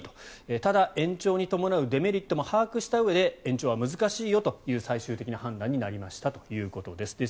ただ、延長に伴うデメリットも把握したうえで延長は難しいよという最終的な判断になりましたということです。